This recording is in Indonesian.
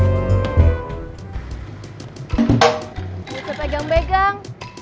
gak usah pegang pegang